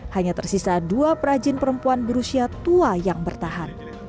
hanya tersisa dua perajin perempuan berusia tua yang bertahan